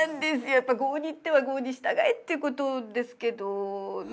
やっぱり郷に入っては郷に従えっていうことですけどね。